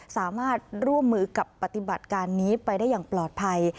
สามารถร่วมมือกับปฏิบัติการนี้ไปได้อย่างปลอดภัย